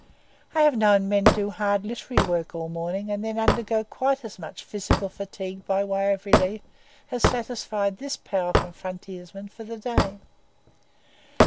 I have known men do hard literary work all morning, and then undergo quite as much physical fatigue by way of relief as satisfied this powerful frontiersman for the day.